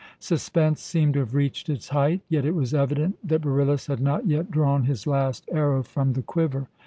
Suspense seemed to have reached its height. Yet it was evident that Beryllus had not yet drawn his last arrow from the quiver.